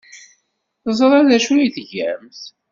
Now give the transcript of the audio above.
Teẓra d acu ay tgamt.